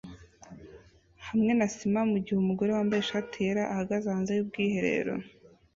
hamwe na sima mugihe umugore wambaye ishati yera ahagaze hanze yubwiherero